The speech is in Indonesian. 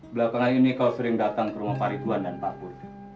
belakangan ini kau sering datang ke rumah pak ridwan dan pak pur